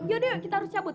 yaudah yuk kita harus cabut